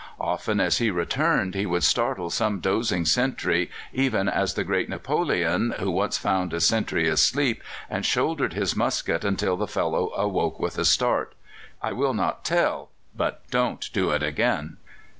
Often, as he returned, he would startle some dozing sentry, even as the great Napoleon, who once found a sentry asleep, and shouldered his musket until the fellow awoke with a start. "I will not tell, but don't do it again!"